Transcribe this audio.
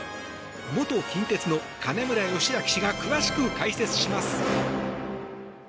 元近鉄の金村義明氏が詳しく解説します。